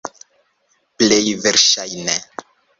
Plej verŝajne.